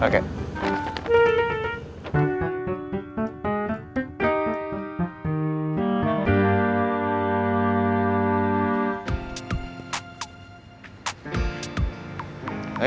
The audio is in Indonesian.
masa yang nambah